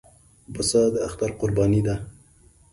پسه د اختر قرباني ده.